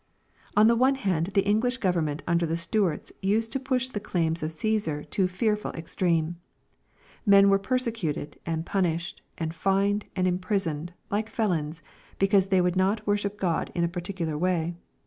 On the one hand the English government under the Stuarts used to push the claims of " Caesar" to a fearful extreme. Men were persecuted, and punished, and fined, and imprisoned, Uke felons, because they would not worship God in a particular way.